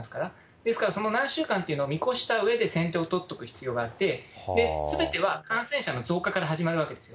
ですから、その何週間というのを見越したうえで、先手を取っておく必要があって、すべては感染者の増加から始まるわけですよ。